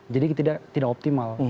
jadi tidak optimal